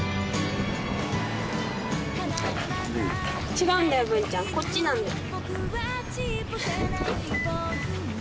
違うんだよ文ちゃんこっちなんだよ。